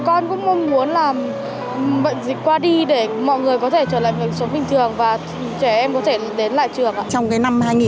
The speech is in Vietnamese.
con cũng mong muốn là bệnh dịch qua đi để mọi người có thể trở lại mọi người sống bình thường và trẻ em có thể đến lại trường